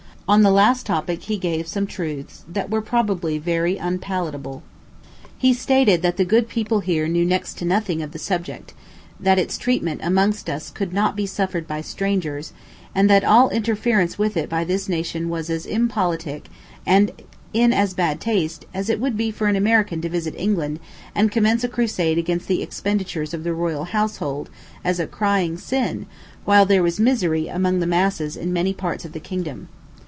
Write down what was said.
On the last topic he gave some truths that were probably very unpalatable. He stated that the good people here knew next to nothing of the subject; that its treatment amongst us could not be suffered by strangers; and that all interference with it by this nation was as impolitic, and in as bad taste, as it would be for an American to visit England and commence a crusade against the expenditures of the royal household, as a crying sin, while there was misery among the masses in many parts of the kingdom.